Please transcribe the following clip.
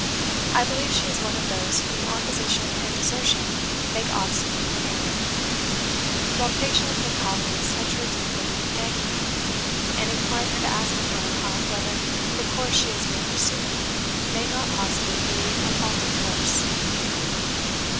I believe she is one of those whom opposition and desertion make obstinate in error; while patience and tolerance touch her deeply and keenly, and incline her to ask of her own heart whether the course she has been pursuing may not possibly be a faulty course."